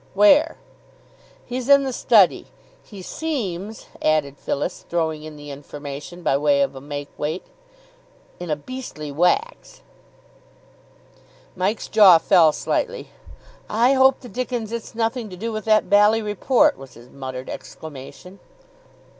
"Where?" "He's in the study. He seems " added Phyllis, throwing in the information by way of a make weight, "in a beastly wax." Mike's jaw fell slightly. "I hope the dickens it's nothing to do with that bally report," was his muttered exclamation.